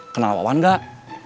kenal wawan gak